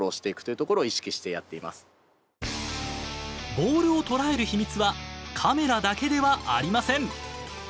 ボールを捉える秘密はカメラだけではありません。